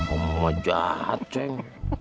oh jahat ceng